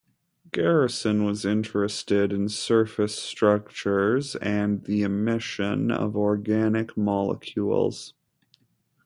Garrison was interested in surface structures and the emission of organic molecules.